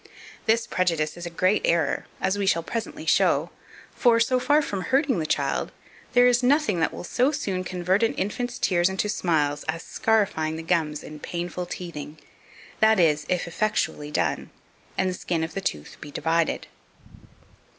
This prejudice is a great error, as we shall presently show; for, so far from hurting the child, there is nothing that will so soon convert an infant's tears into smiles as scarifying the gums in painful teething; that is, if effectually done, and the skin of the tooth be divided.